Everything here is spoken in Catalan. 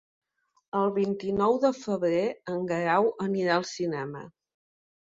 El vint-i-nou de febrer en Guerau anirà al cinema.